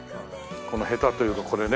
このヘタというかこれね。